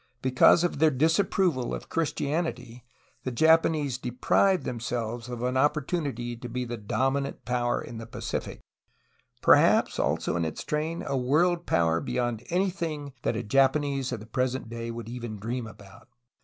Because of their disap proval of Christianity the Japanese deprived themselves of an opportunity to be the dominant power in the Pacific, — perhaps, also, in its train, a world power beyond anything that a Japanese of the present day would even dream about.